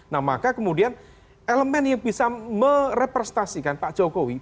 nah maka kemudian elemen yang bisa merepresentasikan pak jokowi